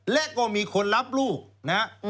และก็มีคนรับลูกนะฮะ